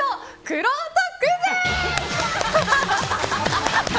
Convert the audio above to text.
くろうとクイズ！